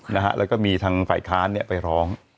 แล้วก็มีทางฝ่ายค้านเนี่ยไปร้อง